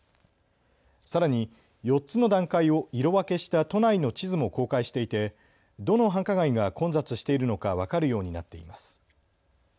さらに４つの段階を色分けした都内の地図も公開していてどの繁華街が混雑しているのか分かるようになっています。